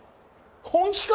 本気か？